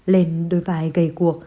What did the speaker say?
lên đôi vai gây cuộc